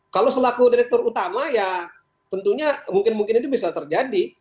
kalau selaku direktur utama ya tentunya mungkin mungkin itu bisa terjadi